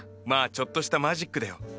まあちょっとしたマジックだよ。